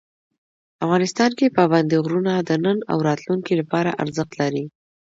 افغانستان کې پابندی غرونه د نن او راتلونکي لپاره ارزښت لري.